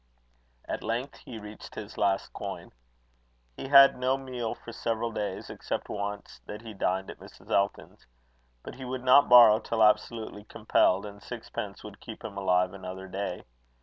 At length he reached his last coin. He had had no meat for several days, except once that he dined at Mrs. Elton's. But he would not borrow till absolutely compelled, and sixpence would keep him alive another day.